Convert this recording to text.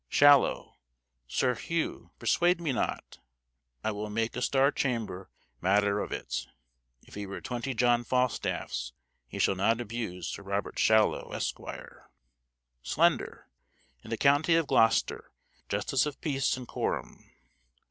"Shallow. Sir Hugh, persuade me not: I will make a Star Chamber matter of it; if he were twenty John Falstaffs, he shall not abuse Sir Robert Shallow, Esq. Slender. In the county of Gloster, justice of peace and coram.